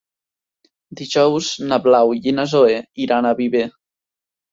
Dijous na Blau i na Zoè iran a Viver.